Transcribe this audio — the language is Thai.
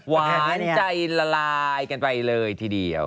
ว้านใจละลายกันไปเลยทีดี